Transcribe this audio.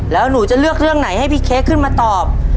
แล้วหนูจะเลือกเรื่องไหนให้พี่เค้กขึ้นมาตอบ